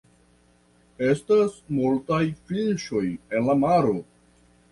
Estas multaj fiŝoj en la maro.